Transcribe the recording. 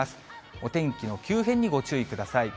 お天気の急変にご注意ください。